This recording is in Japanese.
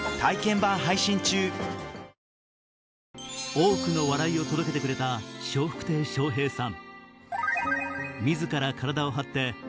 多くの笑いを届けてくれた笑福亭笑瓶さん